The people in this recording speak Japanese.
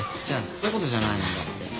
そういうことじゃないんだって。